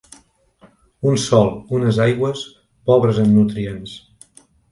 Un sòl, unes aigües, pobres en nutrients.